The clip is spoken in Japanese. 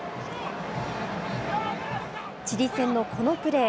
チリ戦のこのプレー。